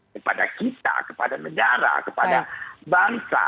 kepada kita kepada negara kepada bangsa